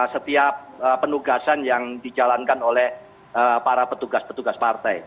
setiap penugasan yang dijalankan oleh para petugas petugas partai